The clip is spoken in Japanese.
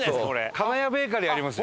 金谷ベーカリーありますよ。